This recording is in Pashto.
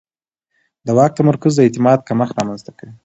د واک تمرکز د اعتماد کمښت رامنځته کوي